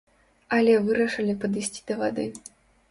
Але вырашылі падысці да вады.